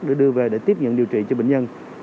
để đưa về để tiếp nhận điều trị cho bệnh nhân